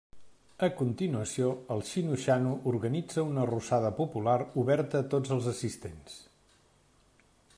A continuació, el Xino-xano organitza una arrossada popular oberta a tots els assistents.